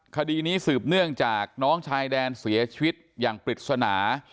คดีนี้สืบเนื่องจากน้องชายแดนเสียชีวิตอย่างปริศนา